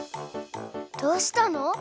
どうしたの？